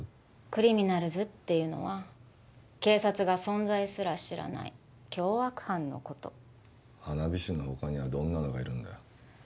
クリミナルズっていうのは警察が存在すら知らない凶悪犯のこと花火師の他にはどんなのがいるんだよ